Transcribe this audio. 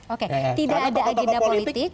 oke tidak ada agenda politik